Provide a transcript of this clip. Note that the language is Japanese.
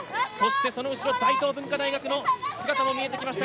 その後ろは大東文化大の姿も見えてきました。